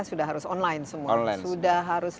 sudah harus online semua online sudah harus